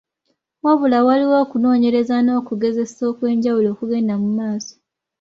Wabula waliwo okunoonyereza n’okugezesa okw’enjawulo okugenda mu maaso.